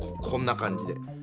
こんな感じで。